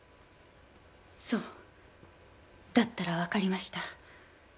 そうだったらわかりました。